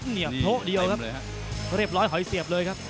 เหนียวโละเดียวครับเรียบร้อยหอยเสียบเลยครับ